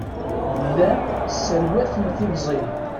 Llan sserwaten timẓin.